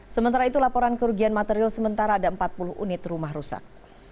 sementara itu laporan kerugian material sementara ada empat puluh unit rumah rusak